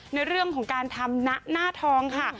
ในเรื่องของการทำหน้าทองค่ะ